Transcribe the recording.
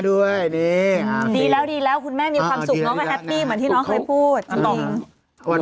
น้องก็แฮปปี้เหมือนที่น้องเคยพูดจริง